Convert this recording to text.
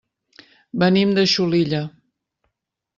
Venim de Xulilla.